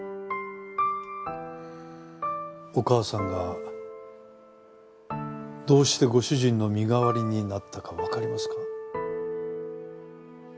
お母さんがどうしてご主人の身代わりになったかわかりますか？